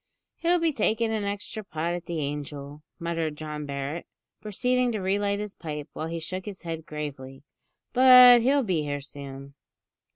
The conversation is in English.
"He'll be taking an extra pot at the `Angel,'" muttered John Barret, proceeding to re light his pipe, while he shook his head gravely; "but he'll be here soon."